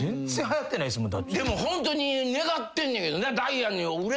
ホントに願ってんねんけどな。